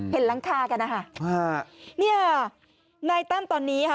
เห็นหลังคากันนะคะเนี่ยนายตั้มตอนนี้ค่ะ